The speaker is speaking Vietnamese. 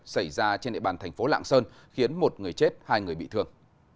xảy ra trên địa bàn thành phố lạng sơn khiến một người chết hai người bị thương